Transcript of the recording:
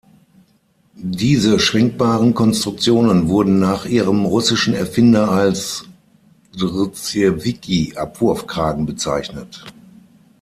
Diese schwenkbaren Konstruktionen wurden nach ihrem russischen Erfinder als "Drzewiecki-Abwurfkragen" bezeichnet.